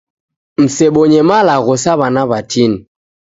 Msebonye malagho sa w'ana w'atini